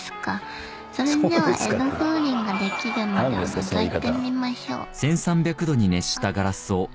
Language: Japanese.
それでは江戸風鈴ができるまでをのぞいてみましょう。